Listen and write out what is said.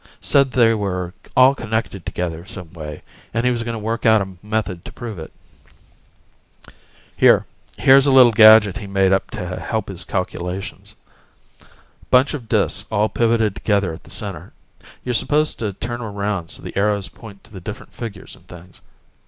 Said they were all connected together some way, and he was gonna work out a method to prove it. Here ... here's a little gadget he made up to help his calculations. Bunch of disks all pivoted together at the center; you're supposed to turn 'em around so the arrows point to the different figures and things.